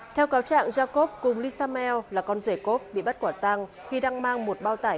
theo cáo trạng jacob cùng lee samuel là con rể cốt bị bắt quả tăng khi đang mang một bao tải